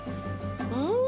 うん！